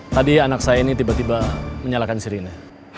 tadi anak saya ini tiba tiba menyalakan siri ini